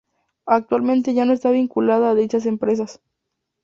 Actualmente ya no está vinculado a dichas empresas.